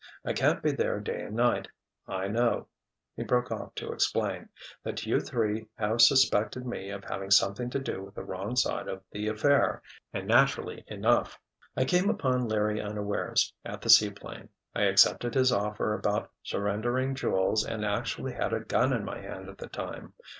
I can't be there day and night—I know," he broke off to explain, "that you three have suspected me of having something to do with the wrong side of the affair, and naturally enough. I came upon Larry unawares, at the seaplane. I accepted his offer about surrendering jewels and actually had a gun in my hand at the time.